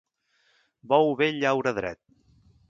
Bou vell llaura dret